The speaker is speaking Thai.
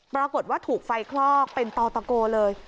ปรากฏว่าถูกไฟคลอกเป็นต่อตะโกเลย